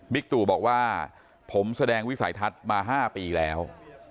ตู่บอกว่าผมแสดงวิสัยทัศน์มา๕ปีแล้ว